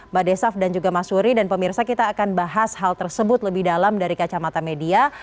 mbak desaf dan juga mas suri dan pemirsa kita akan bahas hal tersebut lebih dalam dari kacamata media